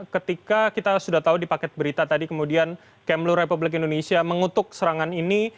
ketika kita sudah tahu di paket berita tadi kemudian kemlu republik indonesia mengutuk serangan ini